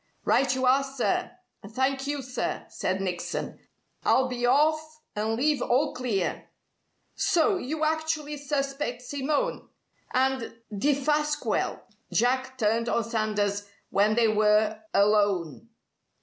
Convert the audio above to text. "Right you are, sir, and thank you, sir!" said Nickson. "I'll be off and leave all clear." "So, you actually suspect Simone? And Defasquelle!" Jack turned on Sanders when they were alone.